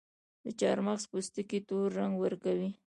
د چارمغز پوستکي تور رنګ ورکوي.